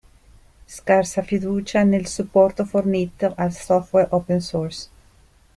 Scarsa fiducia nel supporto fornito al software open source.